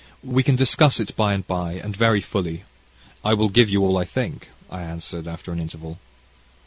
"We can discuss it by and by, and very fully. I will give you all I think," I answered, after an interval.